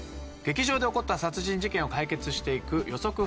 劇場で起こった殺人事件を解決していく予測